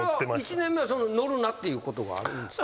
１年目は乗るなっていうことがあるんですか？